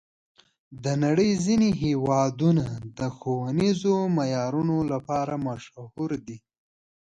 د نړۍ ځینې هېوادونه د ښوونیزو معیارونو لپاره مشهور دي.